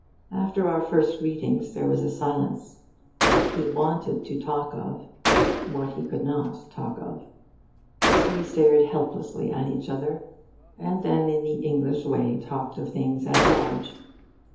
After our first greetings, there was a silence. He wanted to talk of what he could not talk of. We stared helplessly at each other, and then, in the English way, talked of things at large.